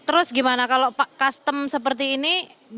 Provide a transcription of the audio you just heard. terus gimana kalau custom seperti ini